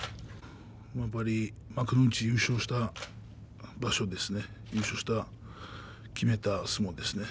やっぱり幕内優勝した場所ですね優勝を決めた相撲ですね。